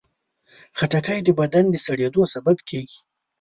خټکی د بدن د سړېدو سبب کېږي.